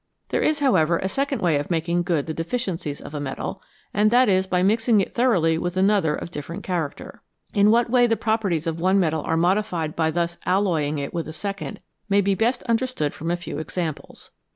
There is, however, a second way of making good the deficiencies of a metal, and that is by mixing it thoroughly with another of different character. In what way the properties of one metal are modified by thus alloying it with a second may be best understood from a few examples.